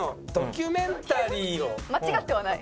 間違ってはない。